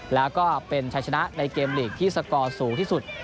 แล้วก็เป็นชัยชนะในเกมลีกที่สกอร์สูงที่สุด